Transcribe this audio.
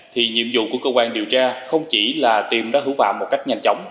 thì nhiệm vụ của cơ quan điều tra không chỉ là tìm ra thủ phạm một cách nhanh chóng